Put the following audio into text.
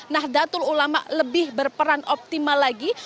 nah datul ulama lebih berperan optimal lagi